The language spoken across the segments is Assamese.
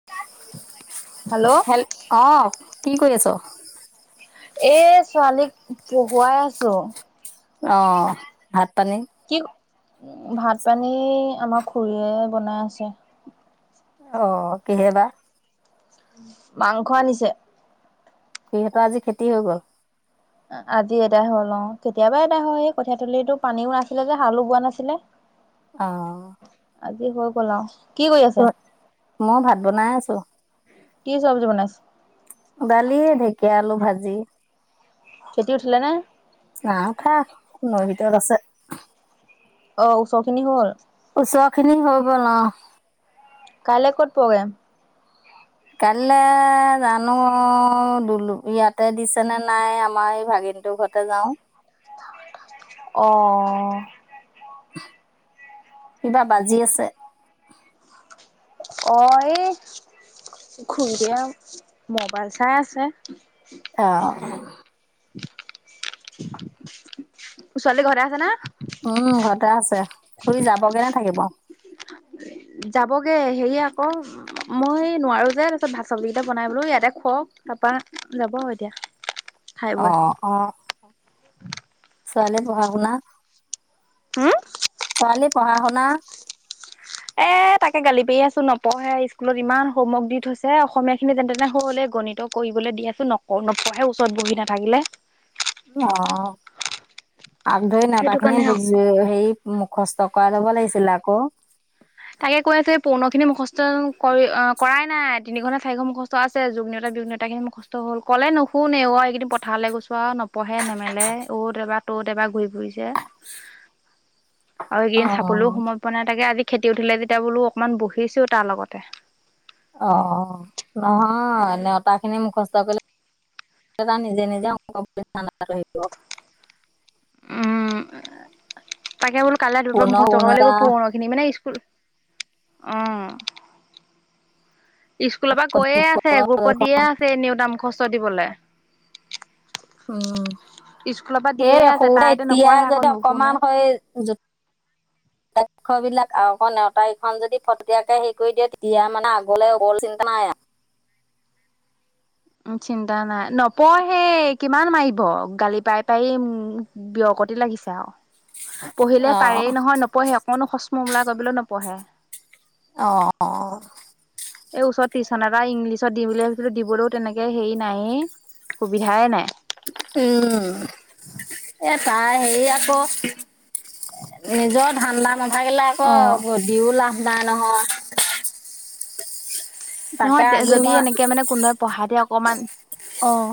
[unintelligible] হেল অ কি কৰি আছ এই ছোৱালীক পঢ়ুৱাই আছো অ ভাত পানী কি ভাত পানী আমা খুৰীয়ে বনাই আছে অ কিহে বা মাংস আনিছে সিহঁতৰ আজি খেতি হৈ গ'ল এ আজি এদাই হ'ল অ কেতিয়াবাই এদাই হল সেই কঠিয়াতলিটো পানীও আছিলে যে হালো বোৱা নাছিলে অ আজি হৈ গ'ল আও কি কৰি আছে মও ভাত বনাই আছো। কি চব্জি বনাইছ। দালি, ঢেকীয়া, আলু ভাজি। খেতি উঠিলে নে? নাই উঠা, নৈ ভিতৰত আছে। অ' ওচখিনি হ'ল। উচৰখিনি হৈ গল অহ'। কাইলে ক'ত প্ৰগ্ৰেম কাইলে জানো দুলুটো ইয়াতে দিছে নে নাই আমাৰ এই ভাগিনটোৰ ঘত নেযাও অ কিবা বাজি আছে অ এই খুৰীদেউয়ে মবাইল চাই আছে অহ'। ছোৱালী ঘৰতে আছে না? উম ঘৰতে আছে, খুৰী যাবগে নে থাকিব? যাবগে হেৰি আক। মই নোৱাৰো যে, তাৰপিছত ভাত, চব্জি কেইটা বনাই বোলো ইয়াতে খুৱাও, তাৰপা যাব আৰু এতিয়া। খাই বৈ অ', অ', ছোৱালীয়ে পঢ়া-শুনা, হুম, ছোৱালী পঢ়া-শুনা। এ তাকে গালি পাৰি আছো নপঢ়ে, স্কুলত ইমান হোমৱৰ্ক দি থৈছে। অসমীয়া খিনি যেনে তেনে হ'লে, গণিত কৰিবলৈ দি আচো, নপ নপঢ়ে ওচৰত বহি নাথাকিলে। অ' আগ ধৰি সেইটো নেওতা খিনি কাৰণে বুজি, হেৰি মুখস্থ কৰাই ল'ব লাগিছিল আক। তাকে কৈ আছে, পৌণ খিনি মুখস্থ কৰি আহ কৰাই নাই, তিনিখন নে চাৰিখন মুখস্থ স্ত আছে, যোগনেওতা বিযোগ নেওতাখিনি মুখস্থ হ'ল, ক'লে নুশুনে অ' এইকেইদিন পথাৰলে গছোৱা নপ, পঢ়ে, নেমেলে অত এবাৰ, তত এবাৰ ঘূৰি ফুৰিছে। [inaudible] আৰু এইকেইদিন চাবলৈও সময় পোৱা নাই, তাকে আজি খেতি উঠিলে, তেতিয়া বোলো অকনমান বহিছো তাৰ লগতে। অ', অ' নহয় নেওতা খিনি মুখস্থ কৰিলে, তাৰ নিজে, নিজে অংক পৰীক্ষাত আহিব। উম। তাকে বোলো কাইলে দুনত পুনৰ মুখস্থ গুণ কৰিব এটা লাগিব, পূৰণৰ খিনি মানে স্কুল, উম। স্কুলৰ পৰা কৈয়ে আছে, গ্ৰোপত দিয়ে উম, আছে, এ নিওতা মুখস্থ দিবলে। স্কুলৰ পৰা অহ' দিয়ে সেই আছে তাই সৰুতে, এতিয়া নপঢ়ে আকৌ যদি নুশুনে। অকমান হয়, যোত, [inaudible] ৰাক্ষ বিলাক আকৌ নেওতা ইখন যদি ফটাকে হেৰি কৰি দিয়ে, তেতিয়া মানে আগলৈ অল চিন্তা নাই আৰু। উ চিন্তা নাই নপঢ়েই কিমান মাৰিব, গালি পাই, পাই উম, বিয়কতি লাগিছে আৰু। পঢ়িলে অ', পাৰেই নহয়, নপঢ়ে অকনো সস্ম মোলা কৰিবলৈ নপঢ়ে। অ'। অহ'। এই ওচৰত টিউচন এটা ইংলিছৰ দিম বুলি ভাবিছিলো, দিবলৈও তেনেকে হেৰি নায়েই, সুবিধাই নাই। উম, এ তাই হেৰি আক, নিজৰ ধান্দা নাথাকিলে, আক অঁ অ' দিও লাভ নাই নহয়। তাকে নহয়, তে আজি যদি মই এনেকে মানে কোনোবাই পঢ়া দিয়ে অকমান। অ',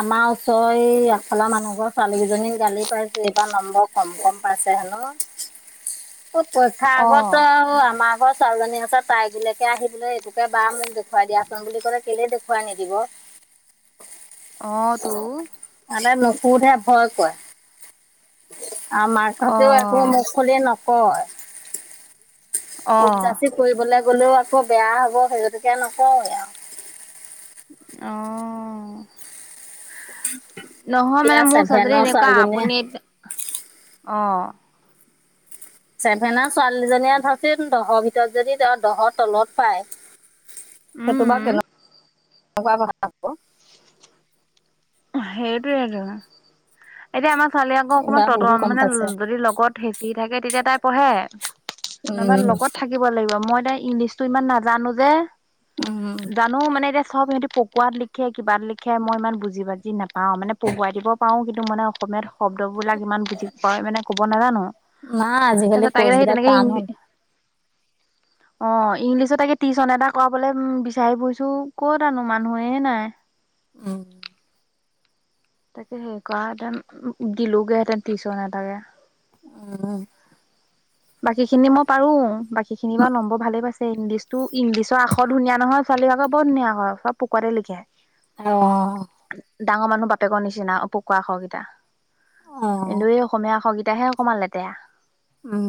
আমাৰ ওচৰ এ আগফালৰ মানুহঘৰ ছোৱালী দুইজনীক গালি পাইচিল, এইবাৰ নম্বৰ, কম, কম পাইছে হেনো, ক'ত পৰীক্ষা অ আগত ত আৰু এমাহ, ঘৰৰ ছোৱালীজনী হাতত, তাই গুৰিলৈকে আহিবলৈ এইটোকে বা মোক দেখুৱাই দিয়াচোন বুলি ক'লে, কেলৈ দেখুৱাই নিদিব। [unintelligible] অহ' তো। মানে নুশুধে ভয় কয়। আমাৰ মাক অ হতেউ একো মুখ খুলি নকয়। অ উব যাচি কৰিবলে গ'লেও আকৌ বেয়া হব সেই গতিকে নকওঁ, অহ নহয় এতিয়া মানে মোৰ ছোৱালী জনী ছেভেনৰ এনেকুৱা ছোৱালীজনীয়ে আপুনিত, অঁহ চেভেনৰ ছোৱালী দুজনীয়ে ধৰ চন, দহ ভিতৰত যদি তেওঁ দহৰ তলত পায়। সেইটো বা উম কেন কেনেকুৱা কথা হ'ব। সেইটোয়েটো, এতিয়া আমাৰ ছোৱালী আকৌ অকণমান এইবাৰ বহুত ততন কম মানে, পাইছে যদি লগত হেঁচি থাকে তেতিয়া তাই পঢ়ে। নহ'বা উম লগত থাকি থাকিব লাগিব, মই তাইৰ ইংলিছটো ইমান নাজানো যে। উম। নো মানে এতিয়া সিহঁতে সব সিঁহতি পকোৱাত লিখে কিবাত লিখে মই ইমান বুজি বুজি নাপাওঁ, মানে পঢ়োৱাই দিব পাৰো কিন্তু মানে অসমীয়াত শব্দবিলাক ইমান বুজি পোৱাকে মানে ক'ব নাজানো। নাই আজিকালি তাৰপিছত তাকে সেই কোৰ্চবিলাক তেনেকে টান হ'ল। অহ ইংলিছত তাকে টিশন এটা কৰাবলে উ বিচাৰি ফুৰিছো ক'তা নো মানুহেই নাই। উম। তাকে হে কৰা হেঁতেন ও দিলোগে হেঁতেন টিউশন এতাকে। উম। বাকী খিনি মই পাৰো বাকী খিনি বা নম্বৰ ভালে পাইছে ইংলিছটো ইংলিছৰ আখৰ ধুনীয়া নহয় ছোৱালী আক বৰ ধুনীয়া হয়, চব পকোৱাতে লিখে। অঁ। ডাঙৰ মানুহ বাপেকৰ নিচিনা পোকোৱা আখৰকিটা। অ এন্দুৰ এই অসমীয়া আখৰকেইটাহে অকমান লেতেয়া। উম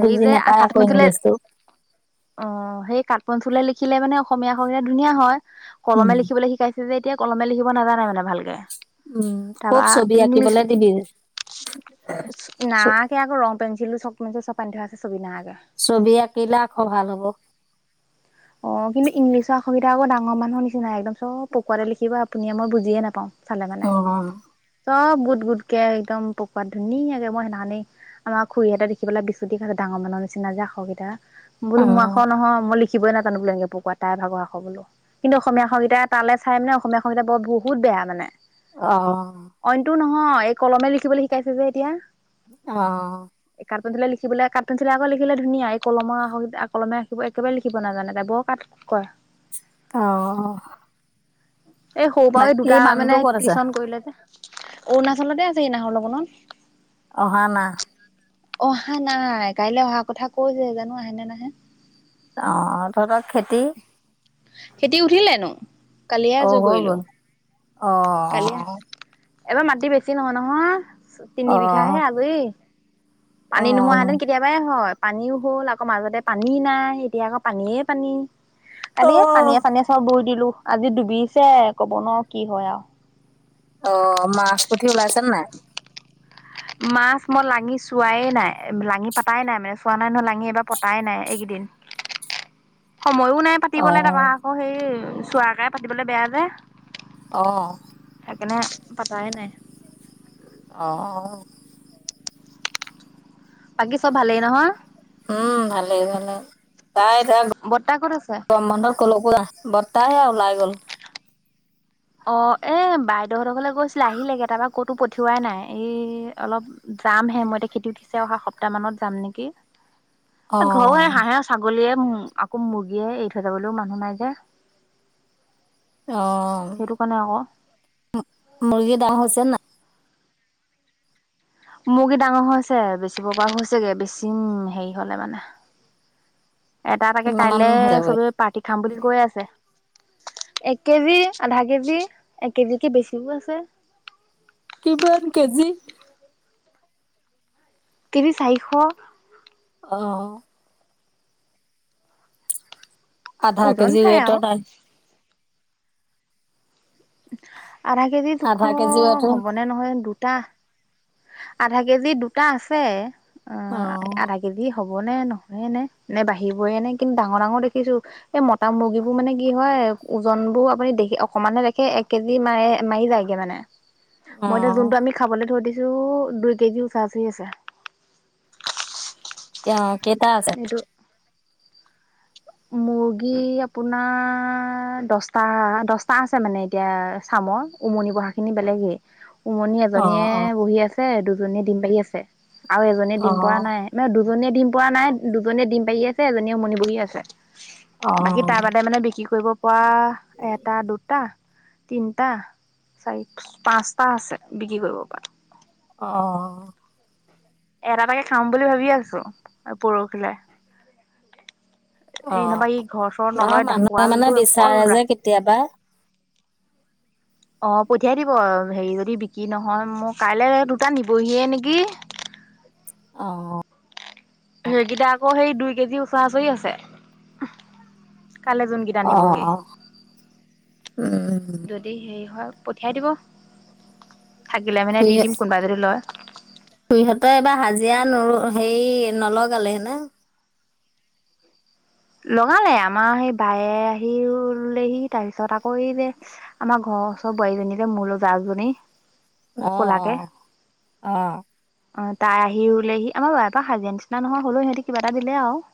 বুজি নেপায় আকৌ ইংলিছটো। অঁ, সেই কাঠপঞ্ছিলে লিখিলে মানে অসমীয়া আখৰ কেইটা ধুনীয়া হয়। উম কলমে লিখিবলৈ শিকাইছে যে এতিয়া কলমে লিখিব নাজানে মানে ভালকে। উম খুব তাৰপা ছবি ইংলিছ আঁকিবলে দিবি। ছ নাআকে আক, ৰং পেঞ্চিলো, চক পেঞ্চিল চব আনি থোৱা আছে ছবি নাআকে। ছবি আঁকিলে আখৰ ভাল হ'ব। অঁ কিন্তু ইংলিছৰ আখৰকেইটা আক ডাঙৰ মানুহৰ নিচিনা, একদম চব পকোৱাতে লিখিব আপুনি মই বুজিয়ে নাপাওঁ। চালে মানে, অ চব গোট গোটকে একদম পোকোৱাত ধুনীয়াকে মই সেইদিনাখনি আমাৰ খুৰীহঁতে দেখি পেলাই বিছুটি খালে ডাঙৰ মানুহৰ নিচিনা যে আখৰকেইটা, বোলো অ মোৰ আখৰ নহয় মই লিখা। লিখিবই নাজানো বোলো এনেকে পকোৱাত তাইৰ ভাগৰ আখৰ বোলো। কিন্তু অসমীয়া আখৰকেইটা তালে চাই মানে অসমীয়া আখৰকেইটা বৰ বহুত বেয়া মানে। অঁহ অইনটো নহয় এই কলমে লিখিবলৈ শিকাইছে যে এতিয়া। অঁ। এই কাঠপেনচিলে লিখিবলে এই ধুনীয়া কলমৰ আখৰকেইটা লিখিব নাজানে তাই বৰ কুত কৰে। অঁ। এই সৰু পৰা এই দুটা মানুহটো মানে ক'ত আছে টিশন কৰিলে যে। অৰুণাচলতে আছেগে এই নাহৰ লগোনত। অহা না অহা নাই, কাইলে অহা কথা কৈছে জানো আহে নে নাহে? অঁ তঁহতৰ খেতি? খেতি উঠিলে এনো কালিয়ে অ', আজৰি হৈ কৰিলো গ'ল অ', কালিয়ে এবাৰ মাটি বেছি নহয় নহয়। তিনি বিঘাহে অ', আজৰি পানী অ', নোহোৱাহেঁতেন কেতিয়াবাই হয়, পানীও হ'ল, আকৌ মাজতে পানী নাই, এতিয়া আকৌ পানীয়েই পানী। কালি অ', পানীয়ে- চানীয়ে চব বুই দিলো, আজি ডুবিছে কব নোৱাৰো কি হয় আও অ' মাছ পুঠি ওলাইছেনে নাই? মাছ মই লাঙি চোৱাৱেই নাই লাঙি পাতাই নাই মানে পোৱা নাই ন লাঙি এইবাৰ পতাই নাই এইকেইদিন সময়ো নাই পাতিবলৈ তাপা অ সেই চোৱা গায়ে পাতিবলৈ বেয়া যে অ সেইকাৰণে পাতাই নাই অ অ বাকী চব ভালেই নহয় উম ভালেই ভালে তাই বৰ্তা ক'ত আছে গৰম বন্ধত কলোঁ ক বৰ্তা সেইয়া ওলাই গ'ল অ এ বাইদেউ হঁতৰ ঘৰলে গৈছিলে আহিলে তাপা ক'তো পঠিওৱাই নাই এই অলপ যাম হে মই এতিয়া খেতি উঠিছে অহা সপ্তাহ মানত যাম নেকি? ঘৰো অ', হাঁহে, ছাগলীয়ে আকৌ মুৰ্গীয়ে এৰি থৈ যাবলৈও মানুহ নাই যে অ সেইটো কাৰণে আক মুৰ্গী ডাঙৰ হৈছে নাই মুৰ্গী ডাঙৰ হৈছে বেচিব পৰা হৈছেগে বেছিম হেৰি হলে মানে এটা এটা কিমান মান কাইলে হৈছে গৈ? চবে পাৰ্টি খাম বুলি কৈ আছে এক কেজি, আধা কেজি এক কেজিতকে বেছিও আছে কিমান কেজি এক কেজি চাৰিশ অ আধা ওজন কেজি চাই আৰু ৱেটট আধা কেজি দুশ আধা কেজি ৱেটৰ হ'বনে নহয় দুটা আধা কেজি দুটা আছে অ আধা হ'ব নে নহয় এনে নে বাঢ়িবই এনে কিন্তু ডাঙৰ ডাঙৰ দেখিছো এই মতা মুৰ্গীবোৰ মানে কি হয় ওজনবোৰ আপুনি দেখি অকমানে দেখে এক কেজি মাৰ মাৰি যায় মানে মই এতিয়া অ', যোনটো আমি খাবলৈ থই দিছো দুই কেজি ওচৰা উচৰি আছে কেইটা আছে এইটো মুৰ্গী আপোনাৰ দচটা দচ টা আছে মানে এতিয়া চামৰ উমনি বহাখিনি বেলেগেই উমনি এজনীয়ে অ', অ', বহি আছে দুজনীয়ে ডিম পাৰি আছে আৰু এজনীয়ে ডিম পৰা অ', নাই মানে দুজনীয়ে ডিম পৰা নাই দুজনীয়ে ডিম পাৰি আছে এজনীয়ে উমনি বহি আছে বাকী তাৰ অ', বাদে মানে বিক্ৰী কৰিব পৰা এটা দুটা তিনিটা, চাৰি, পাঁচটা আছে বিক্ৰী কৰিব পৰা অ এটা এটা কে খাম বুলি ভাবি আছো পৰহিলৈ এই নবা অ', ই ঘৰ চৰ নহয় নলয় মানুহে মানে দাকোৱালটোৰ অকল বিচাৰে ৰা যে কেতিয়াবা অ পঠিয়াই দিব হেৰি যদি বিক্ৰী নহয় মোৰ কাইলৈ দুটা নিবহিয়ে নেকি অ সেইকেইটা আকৌ সেই দুই কেজি ওচৰা ওচৰি আছে কালি যোনকেইটা অ', নিবহি অ', উম, হেৰি হয় পঠিয়াই দিব থাকিলে মানে দি দিম কোনবা যদি লয় খুৰী হঁতৰ এবাৰ হাজিৰা নো হেৰি নলগালে ন লগালে আমাৰ সেই বায়ে আহিও ৰোলেহি তাৰপিছত আকৌ এই যে [inaudible] আমাৰ ঘৰৰ ওচৰৰ বোৱাৰীজনী যে মোল জাজনী অঁ-অঁ! অহ। [inaudible] অঁ! তাই আহি ৰুলেহি আমাৰ বা [inaudible] হাজিৰা নিচিনা নহয় হ'লেও সিহঁতি কিবা এটা দিলে আৰু।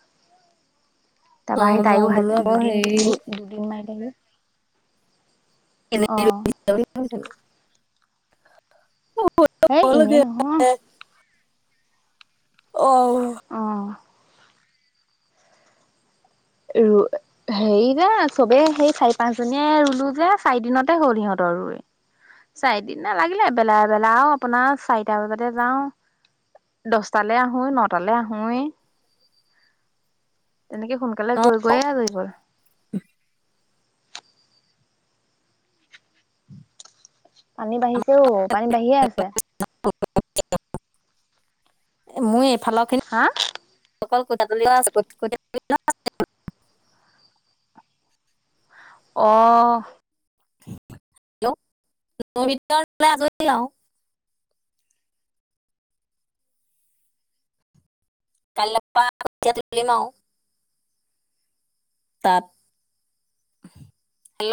তাৰপৰা সেই অ', মই তাইও বোলো আহি [unintelligible] আকৌ হেৰি দুদিন-দুদিন মাৰিলেহি। [unintelligible] অঁ! কালি কি হৈছিল এই এনেই [unintelligible] নহয় [inaudible] অ! [inaudible] অঁ! [inaudible] [inaudible] হেৰি যে চবেই সেই চাৰি, পাঁচজনীয়ে ৰুলো যে চাৰি দিনতে হ'ল সিহঁতৰ ৰুই। [inaudible] চাৰিদিন ন লাগিলে। এবেলা-এবেলা আৰু আপোনাৰ চাৰিটা বজাতহে যাওঁ। [inaudible] দচটালৈ আহোঁৱেই, নটালৈ আহোঁৱেই। [inaudible] তেনেকে সোনকালে অ', গৈ গৈয়ে আজৰি হ'ল। [inaudible] [unintelligible] পানী বাঢ়িছে অ পানী বাঢ়িয়ে আছে। [inaudible] [unintelligible] মোৰ এইফালৰখিনি [inaudible] হা অকল কঠিয়া ধৰি ডৰা আছে। কঠিয়া [unintelligible] অ! [inaudible] হেল্লো! [inaudible] আজৰি আৰু। কাইলৰ পৰা কঠীয়া তুলিম আৰু। [inaudible] তাত। [inaudible] হেল্ল!